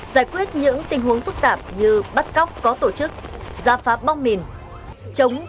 giải quyết những tình huống phức tạp như bắt cóc có tổ chức gia pháp bom mìn